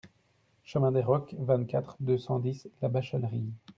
Chemin des Rocs, vingt-quatre, deux cent dix La Bachellerie